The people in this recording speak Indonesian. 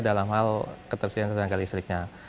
dalam hal ketersediaan tenaga listriknya